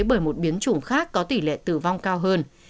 bởi một biến chủng khác có tỷ lệ tử vong cao hơn